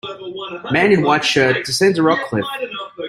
Man in white shirt descends a rock cliff.